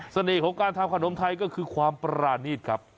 ของการทำขนมไทยก็คือความปรานีตครับ